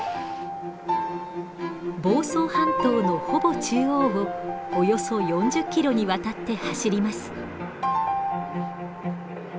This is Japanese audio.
房総半島のほぼ中央をおよそ４０キロにわたって走ります。